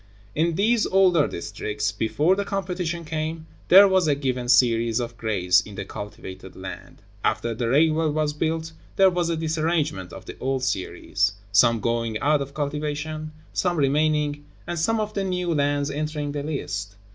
In these older districts, before the competition came, there was a given series of grades in the cultivated land; after the railway was built there was a disarrangement of the old series, some going out of cultivation, some remaining, and some of the new lands entering the list.